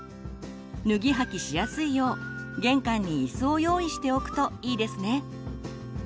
脱ぎ履きしやすいよう玄関にいすを用意しておくといいですね。